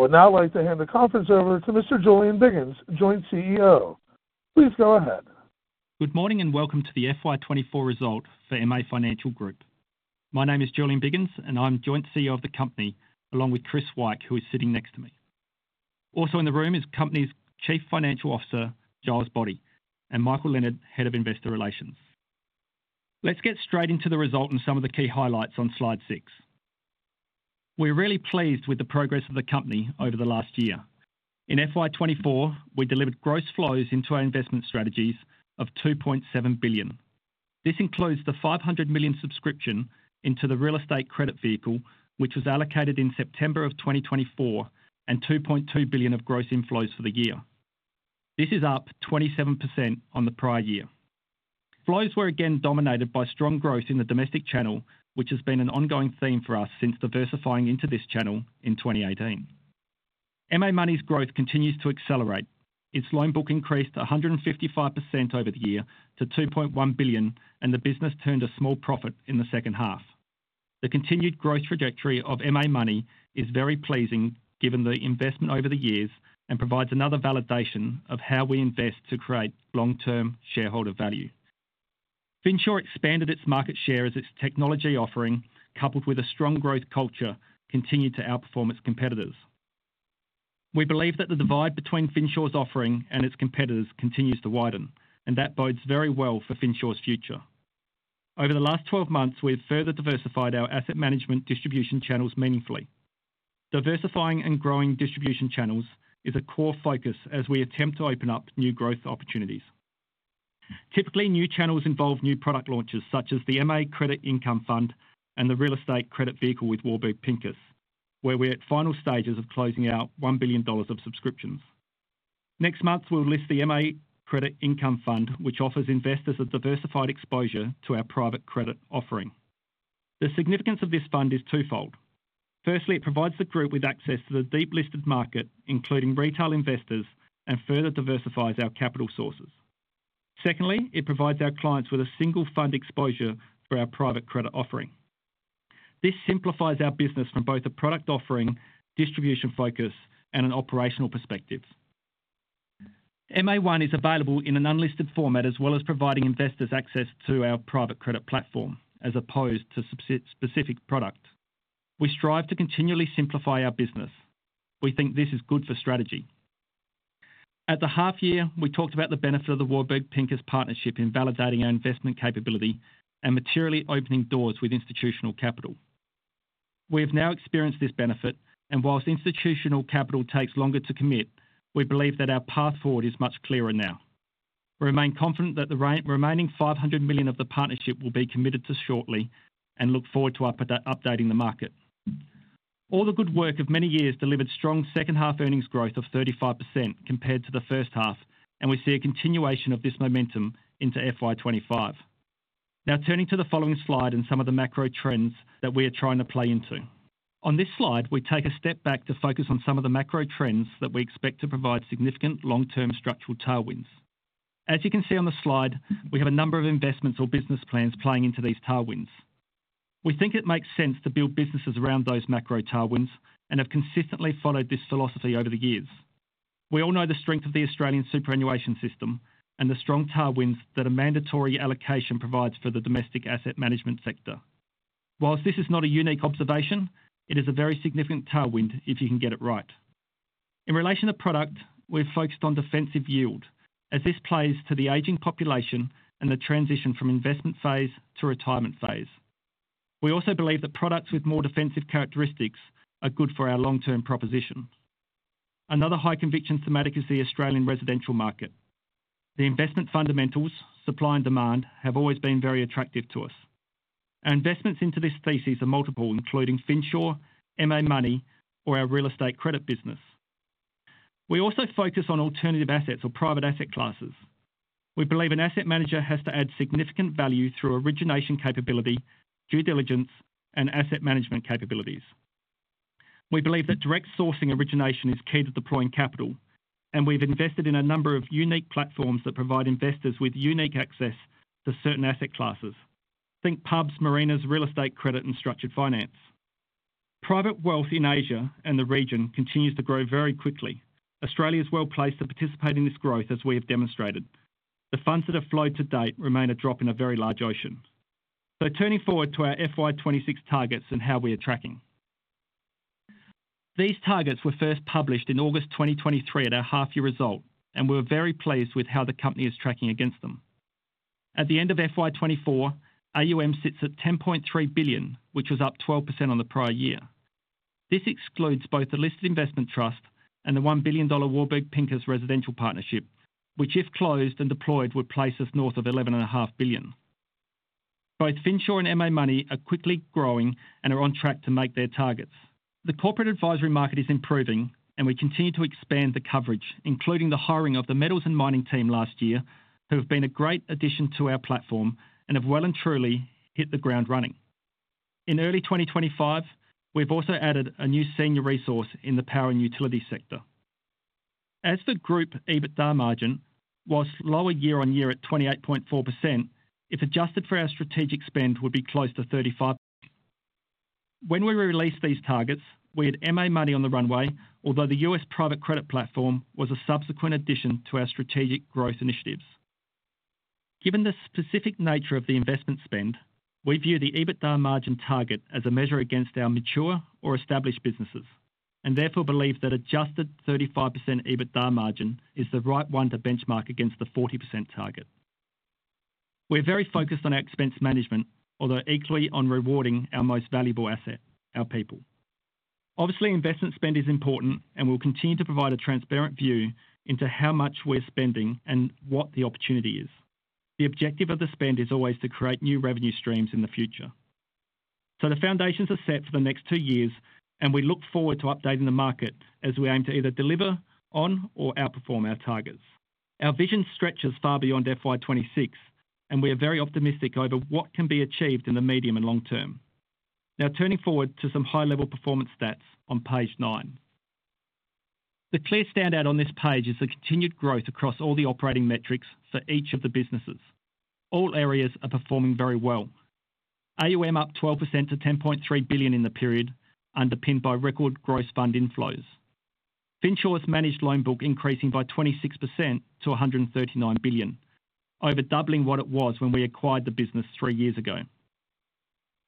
I would now like to hand the conference over to Mr. Julian Biggins, Joint CEO. Please go ahead. MA Financial Good morning and welcome to the FY 2024 result for MA Financial Group. My name is Julian Biggins, and I'm Joint CEO of the company, along with Chris Wyke, who is sitting next to me. Also in the room is the company's Chief Financial Officer, Giles Boddy, and Michael Leonard, Head of Investor Relations. Let's get straight into the result and some of the key highlights on slide six. We're really pleased with the progress of the company over the last year. In FY 2024, we delivered gross flows into our investment strategies of 2.7 billion. This includes the 500 million subscription into the real estate credit vehicle, which was allocated in September of 2024, and 2.2 billion of gross inflows for the year. This is up 27% on the prior year. Flows were again dominated by strong growth in the domestic channel, which has been an ongoing theme for us since diversifying into this channel in 2018. MA Money's growth continues to accelerate. Its loan book increased 155% over the year to 2.1 billion, and the business turned a small profit in the second half. The continued growth trajectory of MA Money is very pleasing given the investment over the years and provides another validation of how we invest to create long-term shareholder value. Finsure expanded its market share as its technology offering, coupled with a strong growth culture, continued to outperform its competitors. We believe that the divide between Finsure's offering and its competitors continues to widen, and that bodes very well for Finsure's future. Over the last 12 months, we've further diversified our asset management distribution channels meaningfully. Diversifying and growing distribution channels is a core focus as we attempt to open up new growth opportunities. Typically, new channels involve new product launches, such as the MA Credit Income Fund and the real estate credit vehicle with Warburg Pincus, where we're at final stages of closing out 1 billion dollars of subscriptions. Next month, we'll list the MA Credit Income Fund, which offers investors a diversified exposure to our private credit offering. The significance of this fund is twofold. Firstly, it provides the group with access to the deep listed market, including retail investors, and further diversifies our capital sources. Secondly, it provides our clients with a single fund exposure for our private credit offering. This simplifies our business from both a product offering, distribution focus, and an operational perspective. MA Money is available in an unlisted format as well as providing investors access to our private credit platform as opposed to a specific product. We strive to continually simplify our business. We think this is good for strategy. At the half year, we talked about the benefit of the Warburg Pincus partnership in validating our investment capability and materially opening doors with institutional capital. We have now experienced this benefit, and whilst institutional capital takes longer to commit, we believe that our path forward is much clearer now. We remain confident that the remaining 500 million of the partnership will be committed to shortly and look forward to updating the market. All the good work of many years delivered strong second half earnings growth of 35% compared to the first half, and we see a continuation of this momentum into FY 2025. Now, turning to the following slide and some of the macro trends that we are trying to play into. On this slide, we take a step back to focus on some of the macro trends that we expect to provide significant long-term structural tailwinds. As you can see on the slide, we have a number of investments or business plans playing into these tailwinds. We think it makes sense to build businesses around those macro tailwinds and have consistently followed this philosophy over the years. We all know the strength of the Australian superannuation system and the strong tailwinds that a mandatory allocation provides for the domestic asset management sector. While this is not a unique observation, it is a very significant tailwind if you can get it right. In relation to product, we've focused on defensive yield, as this plays to the aging population and the transition from investment phase to retirement phase. We also believe that products with more defensive characteristics are good for our long-term proposition. Another high conviction thematic is the Australian residential market. The investment fundamentals, supply and demand, have always been very attractive to us. Our investments into this thesis are multiple, including Finsure, MA Money, or our real estate credit business. We also focus on alternative assets or private asset classes. We believe an asset manager has to add significant value through origination capability, due diligence, and asset management capabilities. We believe that direct sourcing origination is key to deploying capital, and we've invested in a number of unique platforms that provide investors with unique access to certain asset classes. Think pubs, marinas, real estate credit, and structured finance. Private wealth in Asia and the region continues to grow very quickly. Australia is well placed to participate in this growth, as we have demonstrated. The funds that have flowed to date remain a drop in a very large ocean. So, turning forward to our FY 2026 targets and how we are tracking. These targets were first published in August 2023 at our half-year result, and we're very pleased with how the company is tracking against them. At the end of FY 2024, AUM sits at 10.3 billion, which was up 12% on the prior year. This excludes both the listed investment trust and the 1 billion dollar Warburg Pincus residential partnership, which, if closed and deployed, would place us north of 11.5 billion. Both Finsure and MA Money are quickly growing and are on track to make their targets. The corporate advisory market is improving, and we continue to expand the coverage, including the hiring of the metals and mining team last year, who have been a great addition to our platform and have well and truly hit the ground running. In early 2025, we've also added a new senior resource in the power and utility sector. As for Group EBITDA margin, while lower year on year at 28.4%, if adjusted for our strategic spend, would be close to 35%. When we released these targets, we had MA Money on the runway, although the US private credit platform was a subsequent addition to our strategic growth initiatives. Given the specific nature of the investment spend, we view the EBITDA margin target as a measure against our mature or established businesses and therefore believe that adjusted 35% EBITDA margin is the right one to benchmark against the 40% target. We're very focused on our expense management, although equally on rewarding our most valuable asset, our people. Obviously, investment spend is important, and we'll continue to provide a transparent view into how much we're spending and what the opportunity is. The objective of the spend is always to create new revenue streams in the future. So, the foundations are set for the next two years, and we look forward to updating the market as we aim to either deliver, on, or outperform our targets. Our vision stretches far beyond FY 2026, and we are very optimistic over what can be achieved in the medium and long term. Now, turning forward to some high-level performance stats on page 9. The clear standout on this page is the continued growth across all the operating metrics for each of the businesses. All areas are performing very well. AUM up 12% to 10.3 billion in the period, underpinned by record gross fund inflows. Finsure's managed loan book increasing by 26% to 139 billion, over doubling what it was when we acquired the business three years ago.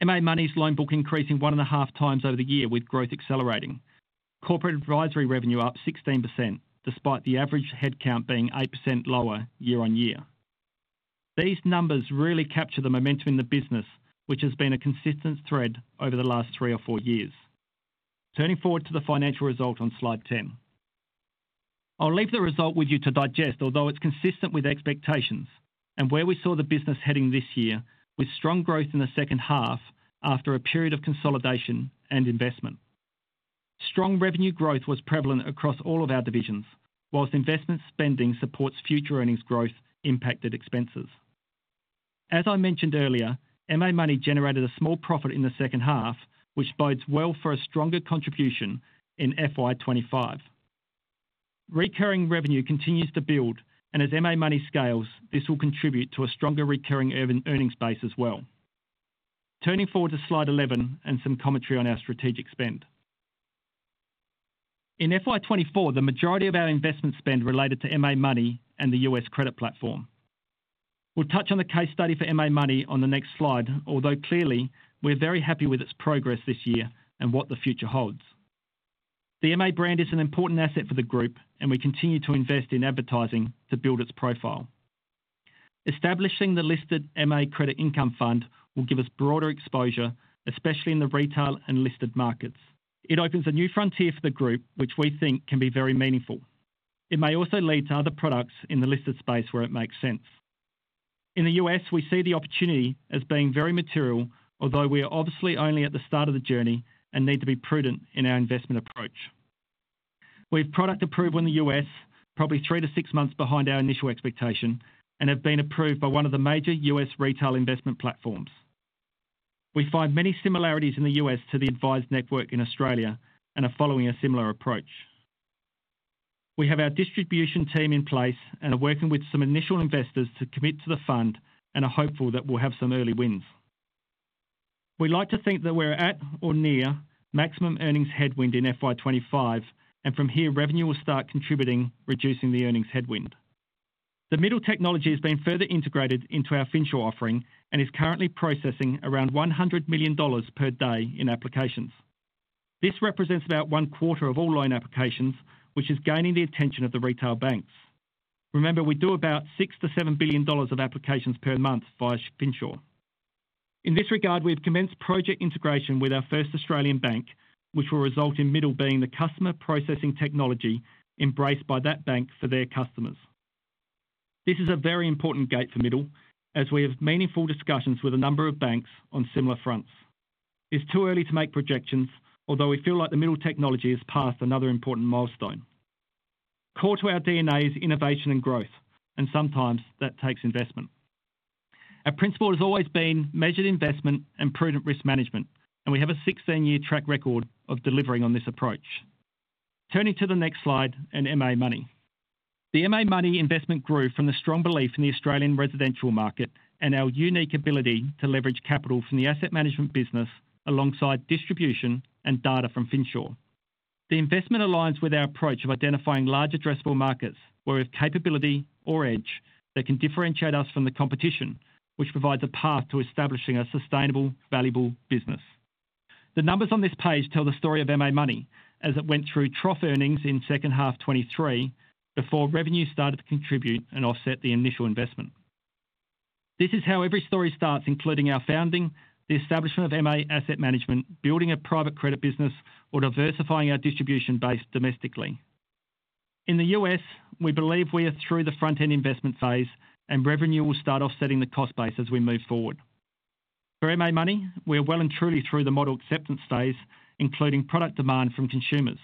MA Money's loan book increasing 1.5x over the year with growth accelerating. Corporate advisory revenue up 16%, despite the average headcount being 8% lower year-on-year. These numbers really capture the momentum in the business, which has been a consistent thread over the last three or four years. Turning forward to the financial result on slide 10. I'll leave the result with you to digest, although it's consistent with expectations and where we saw the business heading this year with strong growth in the second half after a period of consolidation and investment. Strong revenue growth was prevalent across all of our divisions, while investment spending supports future earnings growth impacted expenses. As I mentioned earlier, MA Money generated a small profit in the second half, which bodes well for a stronger contribution in FY 2025. Recurring revenue continues to build, and as MA Money scales, this will contribute to a stronger recurring earnings base as well. Turning forward to slide 11 and some commentary on our strategic spend. In FY 2024, the majority of our investment spend related to MA Money and the U.S. credit platform. We'll touch on the case study for MA Money on the next slide, although clearly we're very happy with its progress this year and what the future holds. The MA brand is an important asset for the group, and we continue to invest in advertising to build its profile. Establishing the listed MA Credit Income Fund will give us broader exposure, especially in the retail and listed markets. It opens a new frontier for the group, which we think can be very meaningful. It may also lead to other products in the listed space where it makes sense. In the U.S., we see the opportunity as being very material, although we are obviously only at the start of the journey and need to be prudent in our investment approach. We've product approved in the U.S., probably three to six months behind our initial expectation, and have been approved by one of the major U.S. retail investment platforms. We find many similarities in the U.S. to the advised network in Australia and are following a similar approach. We have our distribution team in place and are working with some initial investors to commit to the fund and are hopeful that we'll have some early wins. We like to think that we're at or near maximum earnings headwind in FY 2025, and from here, revenue will start contributing, reducing the earnings headwind. The Middl technology has been further integrated into our Finsure offering and is currently processing around 100 million dollars per day in applications. This represents about one quarter of all loan applications, which is gaining the attention of the retail banks. Remember, we do about 6 billion-7 billion dollars of applications per month via Finsure. In this regard, we have commenced project integration with our first Australian bank, which will result in Middl being the customer processing technology embraced by that bank for their customers. This is a very important gate for Middl, as we have meaningful discussions with a number of banks on similar fronts. It's too early to make projections, although we feel like the Middl technology has passed another important milestone. Core to our DNA is innovation and growth, and sometimes that takes investment. Our principle has always been measured investment and prudent risk management, and we have a 16-year track record of delivering on this approach. Turning to the next slide and MA Money. The MA Money investment grew from the strong belief in the Australian residential market and our unique ability to leverage capital from the asset management business alongside distribution and data from Finsure. The investment aligns with our approach of identifying large addressable markets where we have capability or edge that can differentiate us from the competition, which provides a path to establishing a sustainable, valuable business. The numbers on this page tell the story of MA Money as it went through trough earnings in second half 2023 before revenue started to contribute and offset the initial investment. This is how every story starts, including our founding, the establishment of MA Asset Management, building a private credit business, or diversifying our distribution base domestically. In the U.S., we believe we are through the front-end investment phase, and revenue will start offsetting the cost base as we move forward. For MA Money, we are well and truly through the model acceptance phase, including product demand from consumers.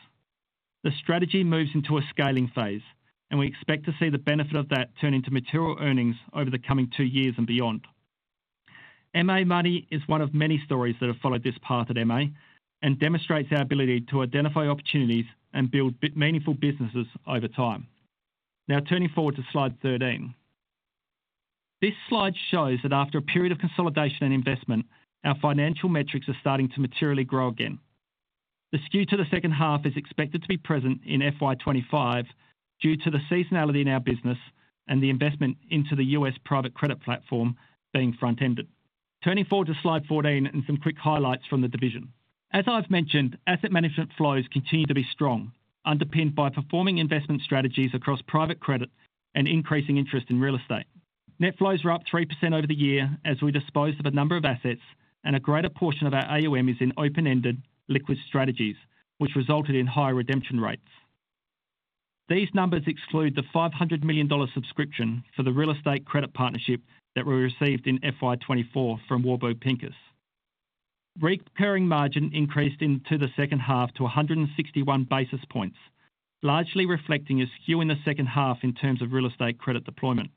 The strategy moves into a scaling phase, and we expect to see the benefit of that turn into material earnings over the coming two years and beyond. MA Money is one of many stories that have followed this path at MA and demonstrates our ability to identify opportunities and build meaningful businesses over time. Now, turning forward to slide 13. This slide shows that after a period of consolidation and investment, our financial metrics are starting to materially grow again. The skew to the second half is expected to be present in FY 2025 due to the seasonality in our business and the investment into the U.S. private credit platform being front-ended. Turning forward to slide 14 and some quick highlights from the division. As I've mentioned, asset management flows continue to be strong, underpinned by performing investment strategies across private credit and increasing interest in real estate. Net flows were up 3% over the year as we disposed of a number of assets, and a greater portion of our AUM is in open-ended liquid strategies, which resulted in higher redemption rates. These numbers exclude the 500 million dollar subscription for the real estate credit partnership that we received in FY 2024 from Warburg Pincus. Recurring margin increased into the second half to 161 basis points, largely reflecting a skew in the second half in terms of real estate credit deployment.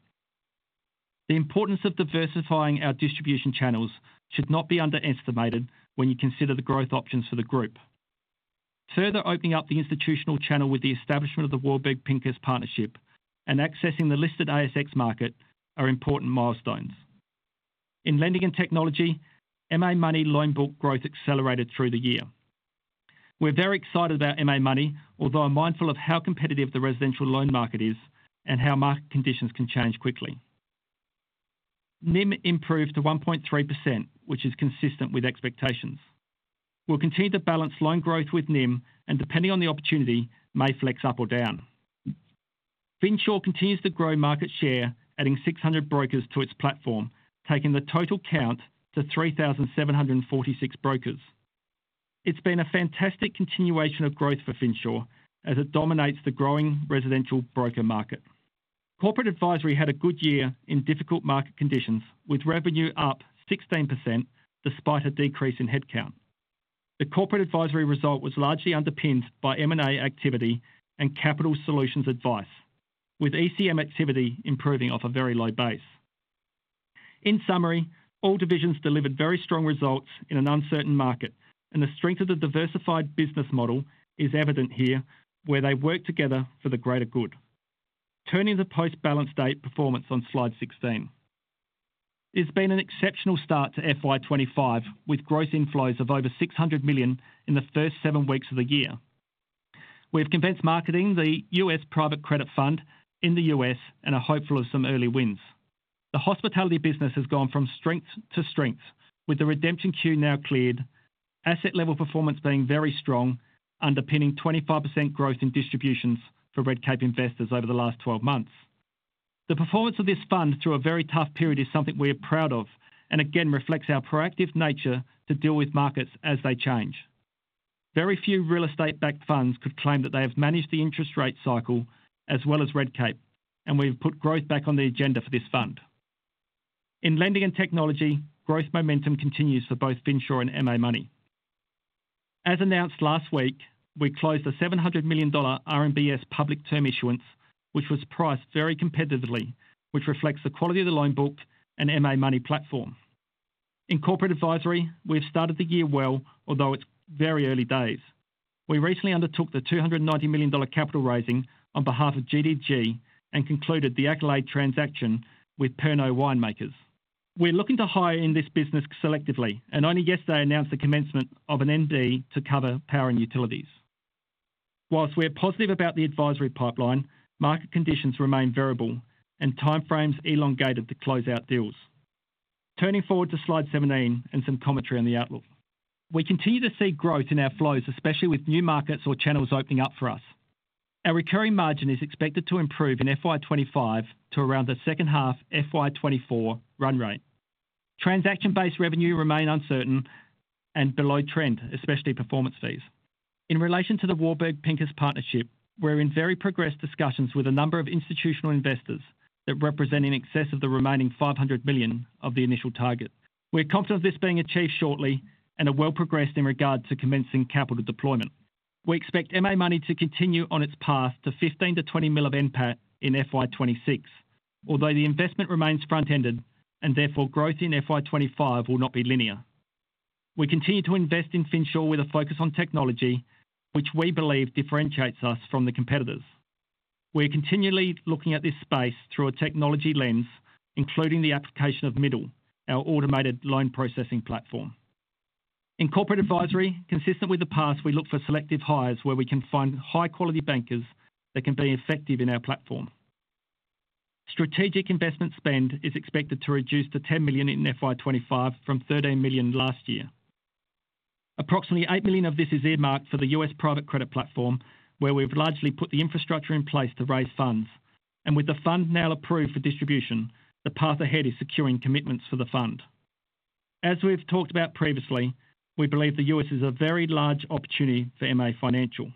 The importance of diversifying our distribution channels should not be underestimated when you consider the growth options for the group. Further opening up the institutional channel with the establishment of the Warburg Pincus partnership and accessing the listed ASX market are important milestones. In lending and technology, MA Money loan book growth accelerated through the year. We're very excited about MA Money, although I'm mindful of how competitive the residential loan market is and how market conditions can change quickly. NIM improved to 1.3%, which is consistent with expectations. We'll continue to balance loan growth with NIM, and depending on the opportunity, may flex up or down. Finsure continues to grow market share, adding 600 brokers to its platform, taking the total count to 3,746 brokers. It's been a fantastic continuation of growth for Finsure as it dominates the growing residential broker market. Corporate advisory had a good year in difficult market conditions, with revenue up 16% despite a decrease in headcount. The corporate advisory result was largely underpinned by M&A activity and capital solutions advice, with ECM activity improving off a very low base. In summary, all divisions delivered very strong results in an uncertain market, and the strength of the diversified business model is evident here, where they work together for the greater good. Turning to post-balance date performance on slide 16. There's been an exceptional start to FY 2025, with gross inflows of over 600 million in the first seven weeks of the year. We've commenced marketing the US private credit fund in the US and are hopeful of some early wins. The hospitality business has gone from strength to strength, with the redemption queue now cleared, asset level performance being very strong, underpinning 25% growth in distributions for Redcape investors over the last 12 months. The performance of this fund through a very tough period is something we are proud of and again reflects our proactive nature to deal with markets as they change. Very few real estate-backed funds could claim that they have managed the interest rate cycle as well as Redcape, and we've put growth back on the agenda for this fund. In lending and technology, growth momentum continues for both Finsure and MA Money. As announced last week, we closed an 700 million dollar RMBS public term issuance, which was priced very competitively, which reflects the quality of the loan book and MA Money platform. In corporate advisory, we've started the year well, although it's very early days. We recently undertook the 290 million dollar capital raising on behalf of GDG and concluded the Accolade transaction with Pernod Ricard Winemakers. We're looking to hire in this business selectively, and only yesterday announced the commencement of an MD to cover power and utilities. While we're positive about the advisory pipeline, market conditions remain variable and timeframes elongated to close out deals. Turning forward to slide 17 and some commentary on the outlook. We continue to see growth in our flows, especially with new markets or channels opening up for us. Our recurring margin is expected to improve in FY 2025 to around the second half FY 2024 run rate. Transaction-based revenue remain uncertain and below trend, especially performance fees. In relation to the Warburg Pincus partnership, we're in very progressed discussions with a number of institutional investors that represent in excess of the remaining 500 million of the initial target. We're confident of this being achieved shortly and are well progressed in regard to commencing capital deployment. We expect MA Money to continue on its path to 15 million-20 million of NPAT in FY 2026, although the investment remains front-ended and therefore growth in FY 2025 will not be linear. We continue to invest in Finsure with a focus on technology, which we believe differentiates us from the competitors. We're continually looking at this space through a technology lens, including the application of Middl, our automated loan processing platform. In corporate advisory, consistent with the past, we look for selective hires where we can find high-quality bankers that can be effective in our platform. Strategic investment spend is expected to reduce to 10 million in FY 2025 from 13 million last year. Approximately 8 million of this is earmarked for the U.S. private credit platform, where we've largely put the infrastructure in place to raise funds. And with the fund now approved for distribution, the path ahead is securing commitments for the fund. As we've talked about previously, we believe the U.S. is a very large opportunity for MA Financial.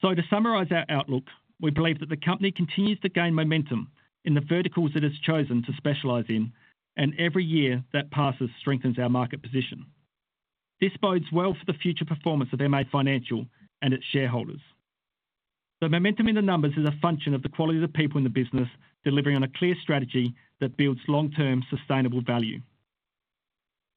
To summarize our outlook, we believe that the company continues to gain momentum in the verticals it has chosen to specialize in, and every year that passes strengthens our market position. This bodes well for the future performance of MA Financial and its shareholders. The momentum in the numbers is a function of the quality of the people in the business delivering on a clear strategy that builds long-term sustainable value.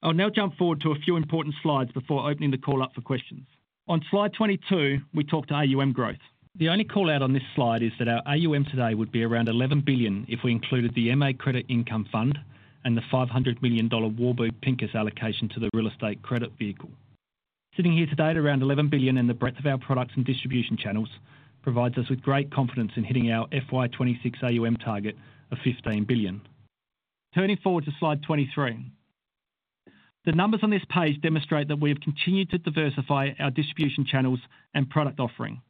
I'll now jump forward to a few important slides before opening the call up for questions. On slide 22, we talked to AUM growth. The only call out on this slide is that our AUM today would be around 11 billion if we included the MA Credit Income Fund and the 500 million dollar Warburg Pincus allocation to the real estate credit vehicle. Sitting here today at around 11 billion and the breadth of our products and distribution channels provides us with great confidence in hitting our FY 2026 AUM target of 15 billion. Turning forward to slide 23. The numbers on this page demonstrate that we have continued to diversify our distribution channels and product offering.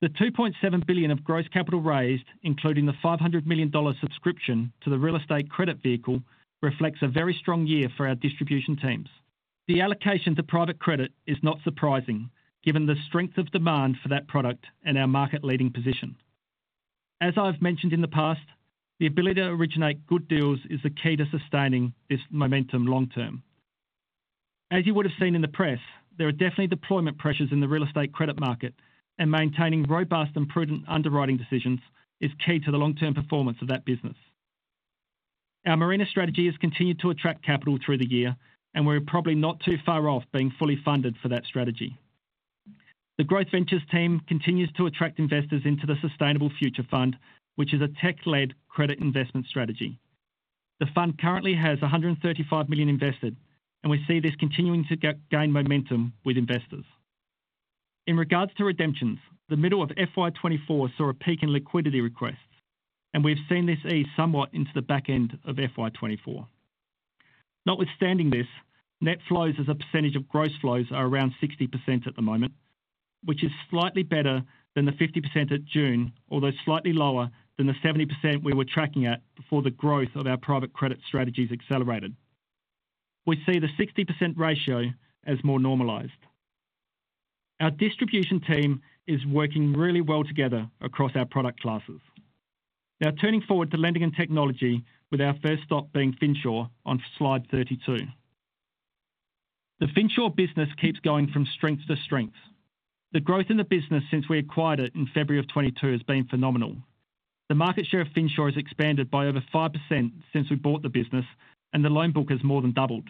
The 2.7 billion of gross capital raised, including the 500 million dollar subscription to the real estate credit vehicle, reflects a very strong year for our distribution teams. The allocation to private credit is not surprising, given the strength of demand for that product and our market-leading position. As I've mentioned in the past, the ability to originate good deals is the key to sustaining this momentum long-term. As you would have seen in the press, there are definitely deployment pressures in the real estate credit market, and maintaining robust and prudent underwriting decisions is key to the long-term performance of that business. Our Marina strategy has continued to attract capital through the year, and we're probably not too far off being fully funded for that strategy. The MA Growth Ventures team continues to attract investors into the MA Sustainable Future Fund, which is a tech-led credit investment strategy. The fund currently has 135 million invested, and we see this continuing to gain momentum with investors. In regards to redemptions, the middle of FY 2024 saw a peak in liquidity requests, and we've seen this ease somewhat into the back end of FY 2024. Notwithstanding this, net flows as a percentage of gross flows are around 60% at the moment, which is slightly better than the 50% at June, although slightly lower than the 70% we were tracking at before the growth of our private credit strategies accelerated. We see the 60% ratio as more normalized. Our distribution team is working really well together across our product classes. Now, turning forward to lending and technology, with our first stop being Finsure on slide 32. The Finsure business keeps going from strength to strength. The growth in the business since we acquired it in February of 2022 has been phenomenal. The market share of Finsure has expanded by over 5% since we bought the business, and the loan book has more than doubled.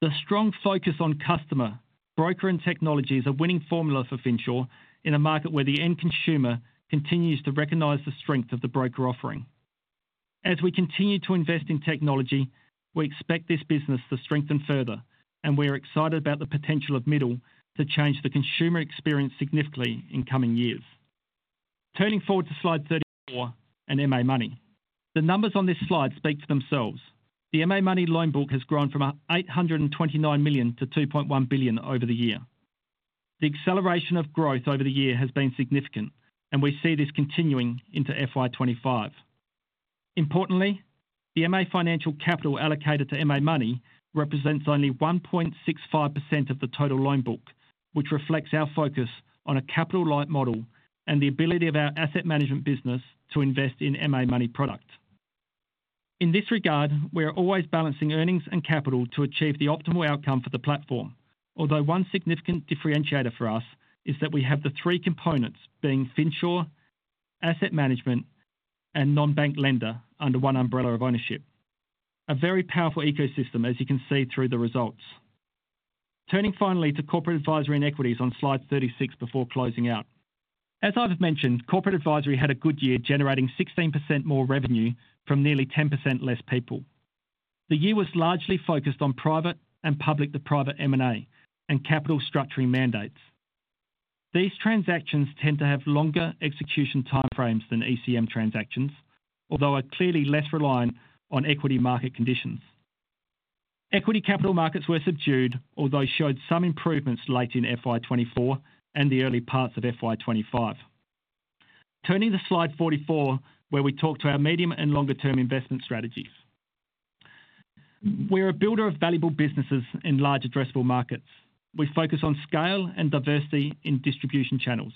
The strong focus on customer, broker, and technology is a winning formula for Finsure in a market where the end consumer continues to recognize the strength of the broker offering. As we continue to invest in technology, we expect this business to strengthen further, and we're excited about the potential of Middl to change the consumer experience significantly in coming years. Turning forward to slide 34 and MA Money. The numbers on this slide speak for themselves. The MA Money loan book has grown from 829 million to 2.1 billion over the year. The acceleration of growth over the year has been significant, and we see this continuing into FY 2025. Importantly, the MA Financial capital allocated to MA Money represents only 1.65% of the total loan book, which reflects our focus on a capital-light model and the ability of our asset management business to invest in MA Money product. In this regard, we're always balancing earnings and capital to achieve the optimal outcome for the platform, although one significant differentiator for us is that we have the three components being Finsure, asset management, and non-bank lender under one umbrella of ownership. A very powerful ecosystem, as you can see through the results. Turning finally to corporate advisory and equities on slide 36 before closing out. As I've mentioned, corporate advisory had a good year, generating 16% more revenue from nearly 10% less people. The year was largely focused on private and public-to-private M&A and capital structuring mandates. These transactions tend to have longer execution timeframes than ECM transactions, although are clearly less reliant on equity market conditions. Equity capital markets were subdued, although showed some improvements late in FY 2024 and the early parts of FY 2025. Turning to slide 44, where we talk to our medium and longer-term investment strategies. We're a builder of valuable businesses in large addressable markets. We focus on scale and diversity in distribution channels.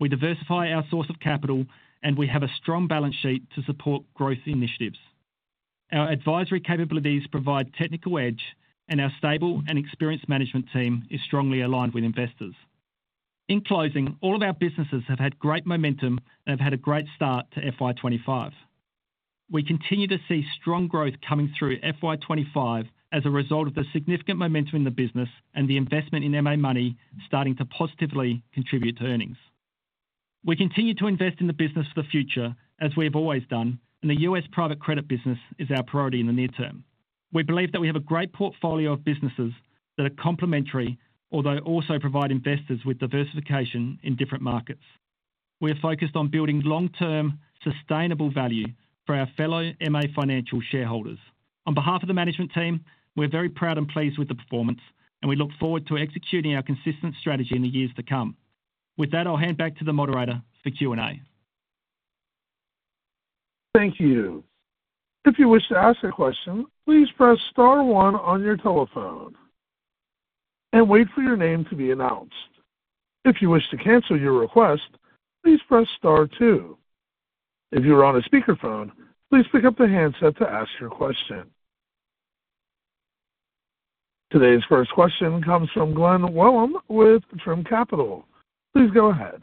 We diversify our source of capital, and we have a strong balance sheet to support growth initiatives. Our advisory capabilities provide technical edge, and our stable and experienced management team is strongly aligned with investors. In closing, all of our businesses have had great momentum and have had a great start to FY 2025. We continue to see strong growth coming through FY 2025 as a result of the significant momentum in the business and the investment in MA Money starting to positively contribute to earnings. We continue to invest in the business for the future, as we have always done, and the US private credit business is our priority in the near term. We believe that we have a great portfolio of businesses that are complementary, although also provide investors with diversification in different markets. We are focused on building long-term sustainable value for our fellow MA Financial shareholders. On behalf of the management team, we're very proud and pleased with the performance, and we look forward to executing our consistent strategy in the years to come. With that, I'll hand back to the moderator for Q&A. Thank you. If you wish to ask a question, please press star one on your telephone and wait for your name to be announced. If you wish to cancel your request, please press star two. If you are on a speakerphone, please pick up the handset to ask your question. Today's first question comes from Glen Wellham with Trim Capital. Please go ahead.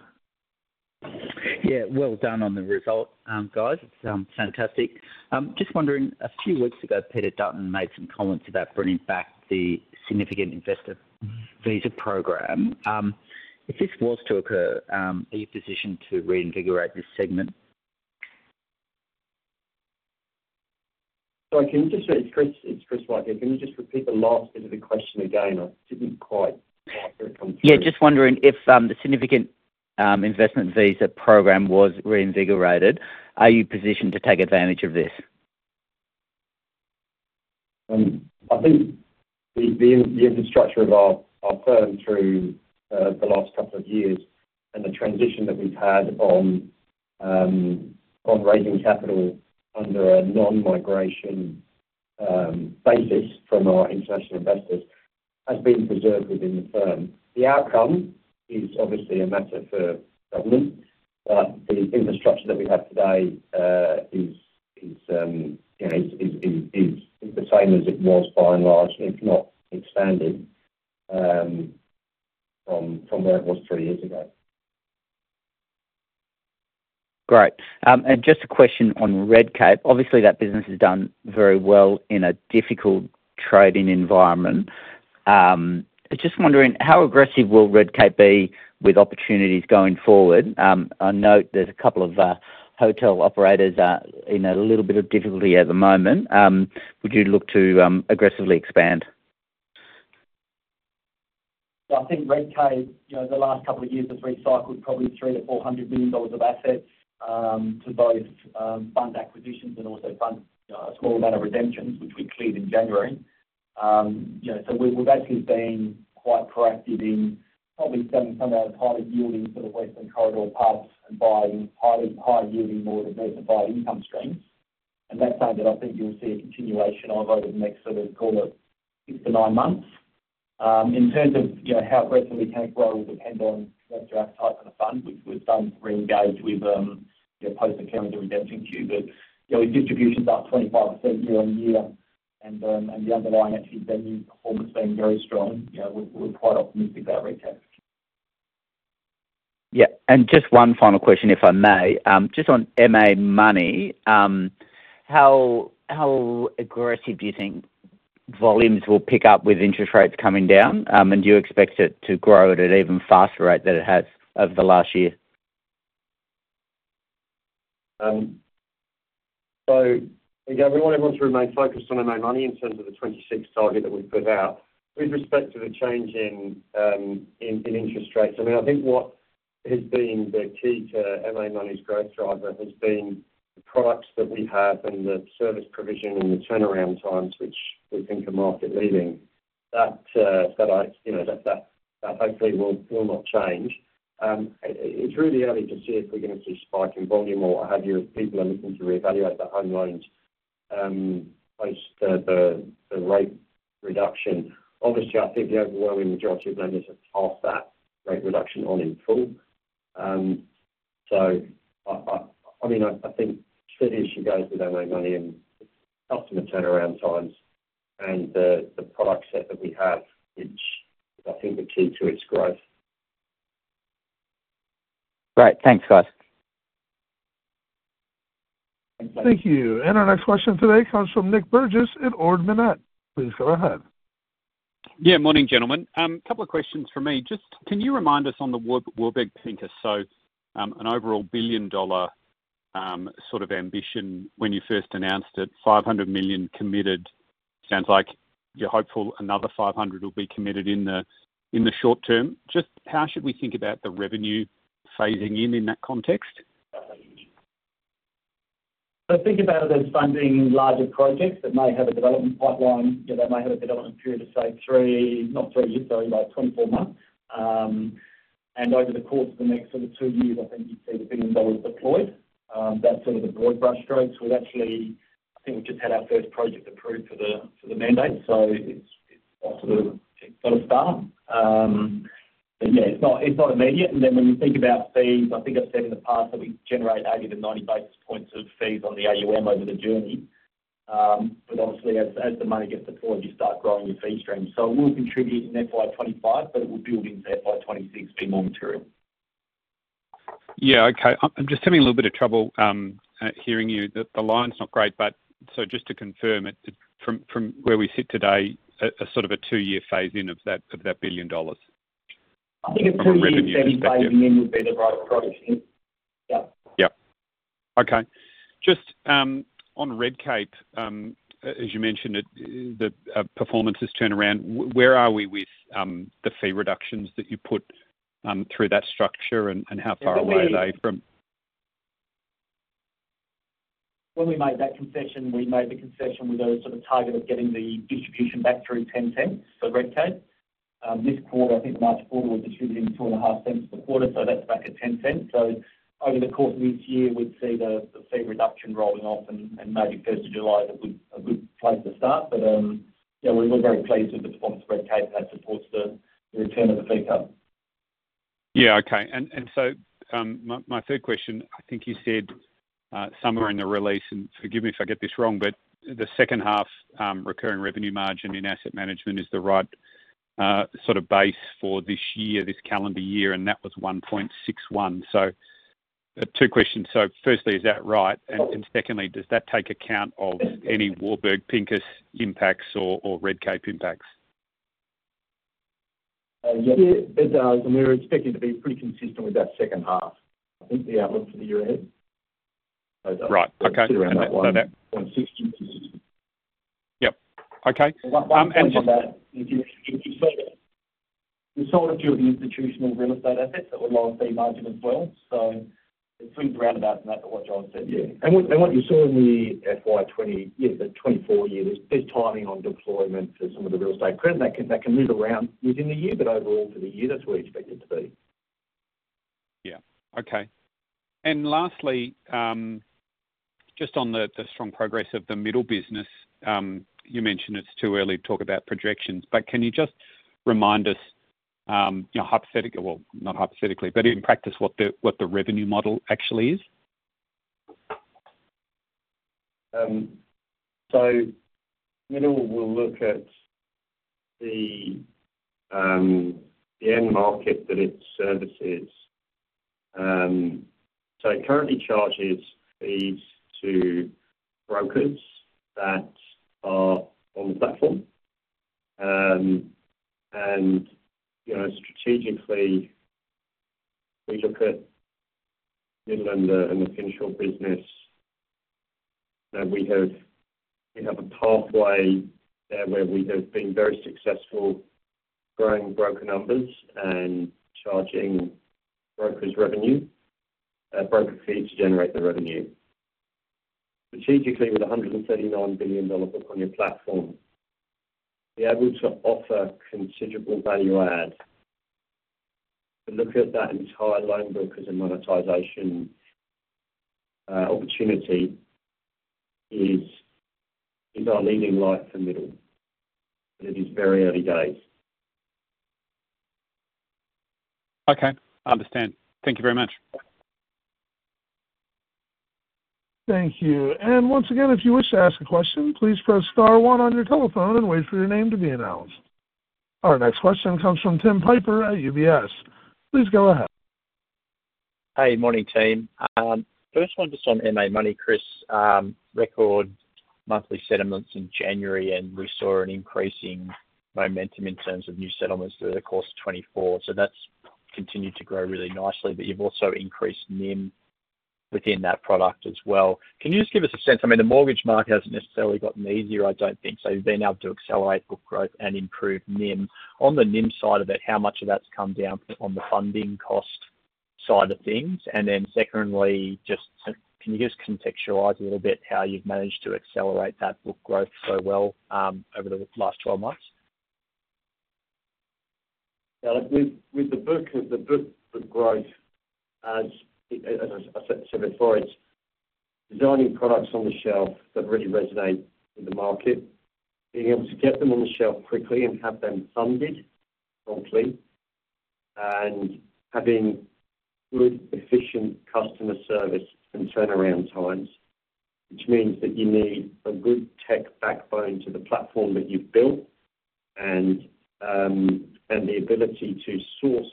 Yeah, well done on the result, guys. It's fantastic. Just wondering, a few weeks ago, Peter Dutton made some comments about bringing back the Significant Investor Visa program. If this was to occur, are you positioned to reinvigorate this segment? I can just say, it's Chris Wyke. Can you just repeat the last bit of the question again? I didn't quite hear it come. Yeah, just wondering if the Significant Investor Visa program was reinvigorated. Are you positioned to take advantage of this? I think the infrastructure of our firm through the last couple of years and the transition that we've had on raising capital under a non-migration basis from our international investors has been preserved within the firm. The outcome is obviously a matter for government, but the infrastructure that we have today is the same as it was by and large, if not expanded from where it was three years ago. Great. Just a question on Redcape. Obviously, that business has done very well in a difficult trading environment. Just wondering, how aggressive will Redcape be with opportunities going forward? I note there's a couple of hotel operators in a little bit of difficulty at the moment. Would you look to aggressively expand? I think Redcape, the last couple of years, has recycled probably 300 million-400 million dollars of assets to both fund acquisitions and also fund a small amount of redemptions, which we cleared in January. So we've actually been quite proactive in probably selling some of our highly yielding sort of Western Corridor pubs and buying highly high-yielding, more diversified income streams. And that's something that I think you'll see a continuation of over the next sort of, call it, six-to-nine months. In terms of how aggressively we can grow, it will depend on what is your appetite for the fund, which we've done to re-engage with post the current redemption queue. But with distributions up 25% year-on-year, and the underlying actually asset performance being very strong, we're quite optimistic about uptake. Yeah. And just one final question, if I may. Just on MA Money, how aggressive do you think volumes will pick up with interest rates coming down? And do you expect it to grow at an even faster rate than it has over the last year? So we want everyone to remain focused on MA Money in terms of the 2026 target that we put out with respect to the change in interest rates. I mean, I think what has been the key to MA Money's growth driver has been the products that we have and the service provision and the turnaround times, which we think are market-leading. That hopefully will not change. It's really early to see if we're going to see spike in volume or what have you if people are looking to reevaluate their home loans post the rate reduction. Obviously, I think the overwhelming majority of lenders have passed that rate reduction on in full. So I mean, I think clearly she goes with MA Money and customer turnaround times and the product set that we have, which I think are key to its growth. Great. Thanks, guys. Thank you. And our next question today comes from Nick Burgess at Ord Minnett. Please go ahead. Yeah, morning, gentlemen. A couple of questions for me. Just, can you remind us on the Warburg Pincus? So, an overall billion-dollar sort of ambition when you first announced it, 500 million committed. Sounds like you're hopeful another 500 will be committed in the short term. Just how should we think about the revenue phasing in in that context? So, think about it as funding larger projects that may have a development pipeline. They may have a development period of, say, three - not three years, sorry - about 24 months. And over the course of the next sort of two years, I think you'd see the billion dollars deployed. That's sort of the broad brush strokes. We've actually - I think we just had our first project approved for the mandate, so it's got a start. But yeah, it's not immediate. And then when you think about fees, I think I've said in the past that we generate 80-90 basis points of fees on the AUM over the journey. But obviously, as the money gets deployed, you start growing your fee streams. So it will contribute in FY 2025, but it will build into FY 2026 being more material. Yeah, okay. I'm just having a little bit of trouble hearing you. The line's not great, but so just to confirm, from where we sit today, a sort of a two-year phase-in of that 1 billion dollars. I think a two-year phase-in would be the right approach. Yeah. Yep. Okay. Just on Redcape, as you mentioned, the performance has turned around. Where are we with the fee reductions that you put through that structure, and how far away are they from? When we made that concession, we made the concession with a sort of target of getting the distribution back through 0.10 for Redcape. This quarter, I think March 4, we're distributing 2.5 per quarter, so that's back at 0.10. So over the course of this year, we'd see the fee reduction rolling off, and maybe 1st of July would be a good place to start. But yeah, we're very pleased with the performance of Redcape and that supports the return of the fee cut. Yeah, okay. And so my third question, I think you said somewhere in the release, and forgive me if I get this wrong, but the second half recurring revenue margin in asset management is the right sort of base for this year, this calendar year, and that was 1.61. So two questions. So firstly, is that right? And secondly, does that take account of any Warburg Pincus impacts or Redcape impacts? Yeah, it does. And we were expecting to be pretty consistent with that second half. I think the outlook for the year ahead is around that one. So that's 16 to 16. Yep. Okay. And just, you saw a few of the institutional real estate assets that were low on fee margin as well. So it swings around about that, what you all said. Yeah. And what you saw in the FY 2024, yeah, the 2024 year, there's timing on deployment for some of the real estate credit. That can move around within the year, but overall for the year, that's what we expected to be. Yeah. Okay. Lastly, just on the strong progress of the Middl business, you mentioned it's too early to talk about projections, but can you just remind us hypothetically, well, not hypothetically, but in practice, what the revenue model actually is? Middl will look at the end market that it services. It currently charges fees to brokers that are on the platform. Strategically, we look at Middl and the financial business. We have a pathway there where we have been very successful growing broker numbers and charging brokers' revenue, broker fees to generate the revenue. Strategically, with a 139 billion dollars book on your platform, we're able to offer considerable value add. Look at that entire loan brokers and monetization opportunity is our leading light for Middl, but it is very early days. Okay. I understand. Thank you very much. Thank you. And once again, if you wish to ask a question, please press star one on your telephone and wait for your name to be announced. Our next question comes from Tim Piper at UBS. Please go ahead. Hey, morning, team. First one just on MA Money, Chris. Record monthly settlements in January, and we saw an increasing momentum in terms of new settlements through the course of 2024. So that's continued to grow really nicely, but you've also increased NIM within that product as well. Can you just give us a sense? I mean, the mortgage market hasn't necessarily gotten easier, I don't think. So you've been able to accelerate book growth and improve NIM. On the NIM side of it, how much of that's come down on the funding cost side of things? And then secondly, just can you just contextualize a little bit how you've managed to accelerate that book growth so well over the last 12 months? With the book growth, as I said before, it's designing products on the shelf that really resonate with the market, being able to get them on the shelf quickly and have them funded properly, and having good, efficient customer service and turnaround times, which means that you need a good tech backbone to the platform that you've built and the ability to source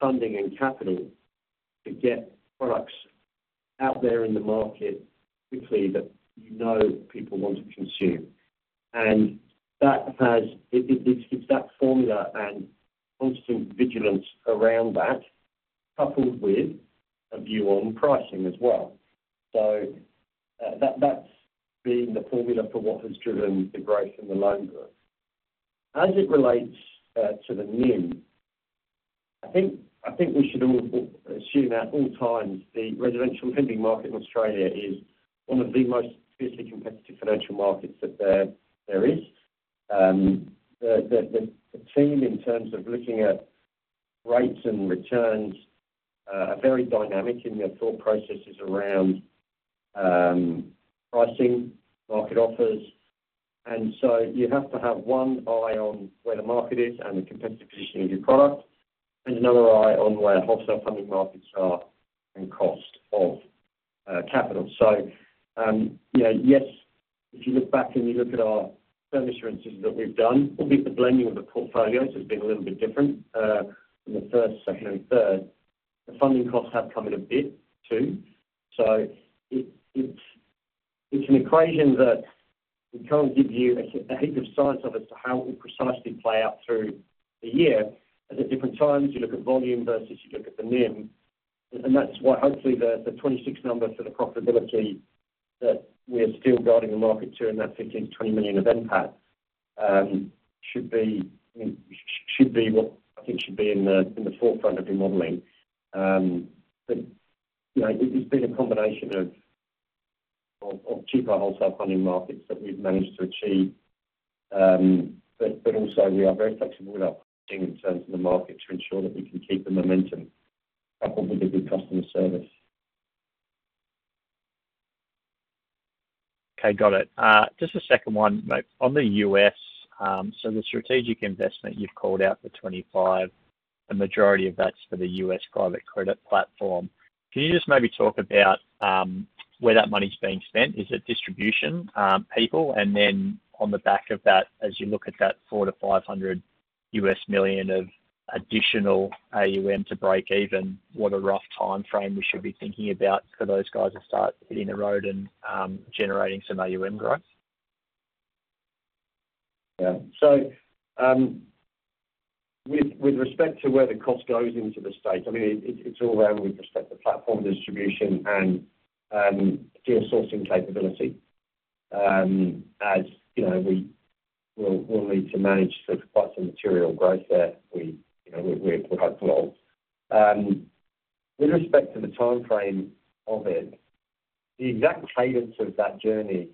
funding and capital to get products out there in the market quickly that you know people want to consume. And it's that formula and constant vigilance around that, coupled with a view on pricing as well. So that's been the formula for what has driven the growth in the loan growth. As it relates to the NIM, I think we should all assume at all times the residential lending market in Australia is one of the most fiercely competitive financial markets that there is. The team, in terms of looking at rates and returns, are very dynamic in their thought processes around pricing, market offers, and so you have to have one eye on where the market is and the competitive positioning of your product, and another eye on where wholesale funding markets are and cost of capital, so yes, if you look back and you look at our firm assurances that we've done, albeit the blending of the portfolios has been a little bit different from the first, second, and third, the funding costs have come in a bit too. So it's an equation that we can't give you a heap of science as to how it will precisely play out through the year. At different times, you look at volume versus you look at the NIM. And that's why hopefully the 2026 number for the profitability that we are still guiding the market to in that 15 million-20 million of NPAT should be what I think should be in the forefront of your modeling. But it's been a combination of cheaper wholesale funding markets that we've managed to achieve, but also we are very flexible with our pricing in terms of the market to ensure that we can keep the momentum coupled with a good customer service. Okay, got it. Just a second one. On the U.S., so the strategic investment you've called out for 2025, a majority of that's for the U.S. private credit platform. Can you just maybe talk about where that money's being spent? Is it distribution, people? And then on the back of that, as you look at that 400 million-500 million of additional AUM to break even, what a rough timeframe we should be thinking about for those guys to start hitting the road and generating some AUM growth? Yeah. So with respect to where the cost goes into the states, I mean, it's all around with respect to platform distribution and deal sourcing capability, as we will need to manage quite some material growth there we're hopeful of. With respect to the timeframe of it, the exact cadence of that journey,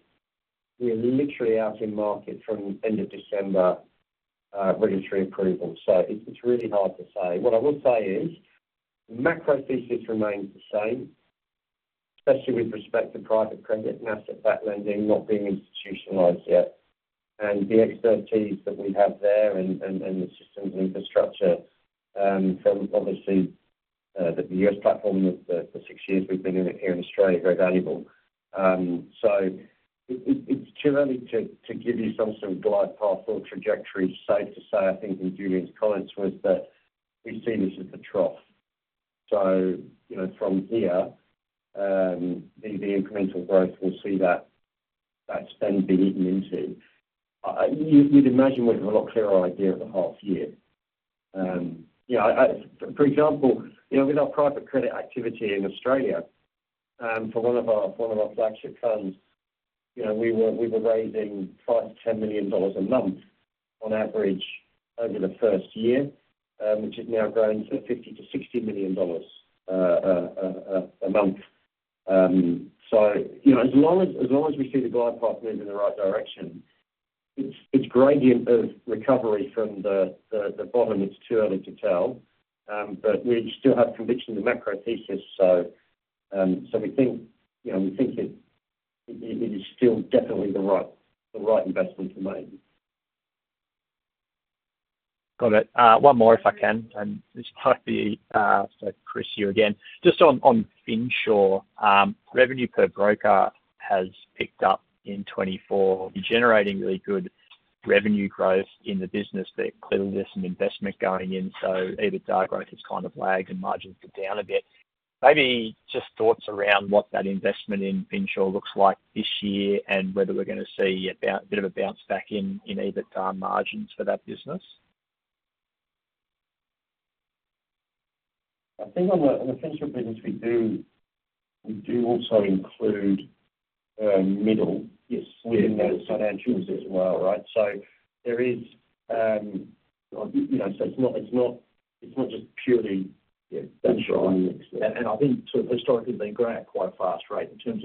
we're literally out in market from end of December, regulatory approval. So it's really hard to say. What I will say is the macro thesis remains the same, especially with respect to private credit and asset-backed lending not being institutionalized yet. And the expertise that we have there and the systems and infrastructure from obviously the U.S. platform, the six years we've been in it here in Australia, very valuable. So it's too early to give you some sort of glide path or trajectory. Safe to say, I think in Julian's comments was that we see this as the trough. So from here, the incremental growth, we'll see that spend being eaten into. You'd imagine we'd have a lot clearer idea of the half year. For example, with our private credit activity in Australia, for one of our flagship funds, we were raising 5 million-10 million dollars a month on average over the first year, which has now grown to 50-60 million dollars a month. So as long as we see the glide path move in the right direction, its gradient of recovery from the bottom, it's too early to tell. But we still have conviction in the macro thesis. So we think it is still definitely the right investment to make. Got it. One more, if I can. And this might be Chris here again. Just on Finsure, revenue per broker has picked up in 2024. You're generating really good revenue growth in the business. There's clearly some investment going in. So EBITDA growth has kind of lagged, and margins are down a bit. Maybe just thoughts around what that investment in Finsure looks like this year and whether we're going to see a bit of a bounce back in EBITDA margins for that business. I think on the Finsure business, we do also include Middl. Yes, we're in those financials as well, right? So there is, it's not just purely Finsure. And I think sort of historically been growing at quite a fast rate in terms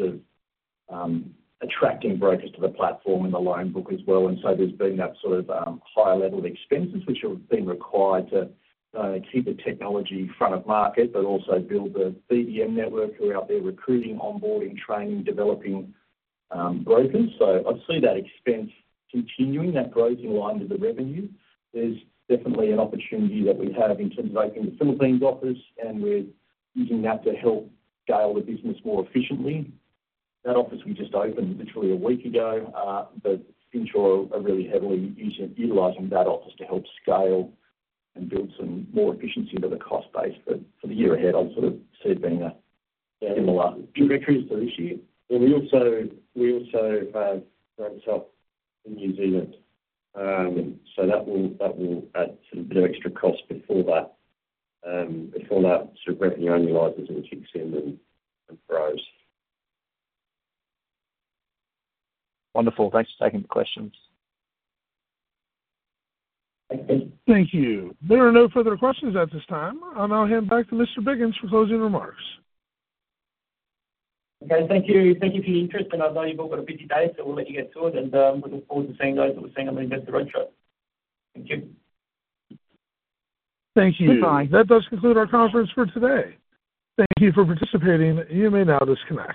of attracting brokers to the platform and the loan book as well. And so there's been that sort of higher level of expenses, which have been required to keep the technology front of market, but also build the BDM network who are out there recruiting, onboarding, training, developing brokers. So I see that expense continuing, that growth in line with the revenue. There's definitely an opportunity that we have in terms of opening the Philippines office, and we're using that to help scale the business more efficiently. That office we just opened literally a week ago, but Finsure are really heavily utilizing that office to help scale and build some more efficiency into the cost base for the year ahead. I sort of see it being a similar trajectory for this year. And we also have branch up in New Zealand. So that will add a bit of extra cost before that sort of revenue annualizes and kicks in and grows. Wonderful. Thanks for taking the questions. Thank you. There are no further questions at this time. I'll now hand back to Mr. Biggins for closing remarks. Okay. Thank you for your interest. And I know you've all got a busy day, so we'll let you get to it. And we look forward to seeing those that we're seeing them in the roadshow. Thank you. Thank you. Bye. That does conclude our conference for today. Thank you for participating. You may now disconnect.